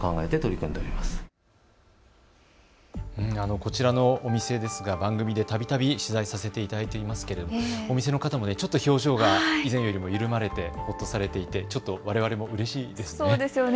こちらのお店ですが番組でたびたび取材させていただいていますけれどもお店の方もちょっと表情が以前よりも緩まれてほっとされていてちょっとわれわれもうれしいですね。